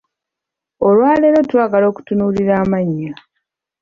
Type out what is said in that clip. Olwaleero twagala okutunuulira amannya.